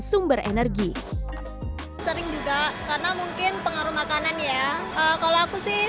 sumber energi sering juga karena mungkin pengaruh makanan ya kalau aku sih